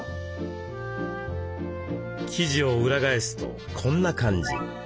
生地を裏返すとこんな感じ。